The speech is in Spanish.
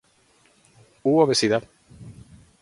u obesidad